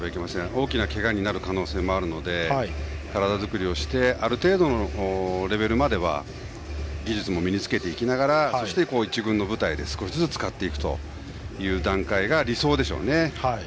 大きなけがになる可能性もあるので体作りをしてある程度のレベルまでは技術も身につけながらそして、１軍の舞台で少しずつ使っていくという段階が理想でしょうね。